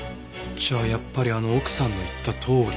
じゃあやっぱりあの奥さんの言ったとおり。